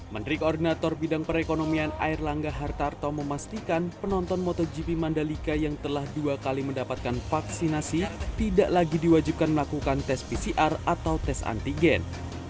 menteri koordinator bidang perekonomian air langga hartarto memastikan penonton motogp mandalika yang telah dua kali mendapatkan vaksinasi tidak lagi diwajibkan melakukan tes pcr atau tes antigen